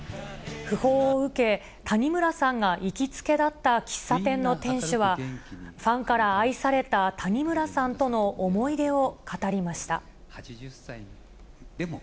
ふ報を受け、谷村さんが行きつけだった喫茶店の店主は、ファンから愛された谷村さんとの思い出を語りました。